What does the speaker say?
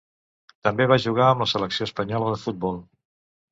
També va jugar amb la Selecció espanyola de futbol.